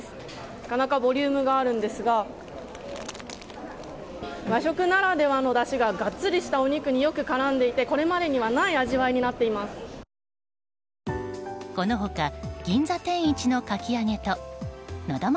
なかなかボリュームがあるんですが和食ならではのだしがガッツリしたお肉によく絡んでいてこれまでにはないこの他銀座天一のかき揚げとなだ万